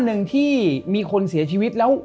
หนึ่งที่มีคนเสียชีวิตแล้ว